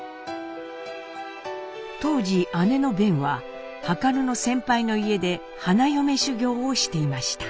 当時姉の辨は量の先輩の家で花嫁修業をしていました。